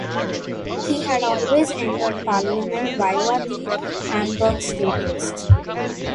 He had always entered parliament via the Hamburg state list.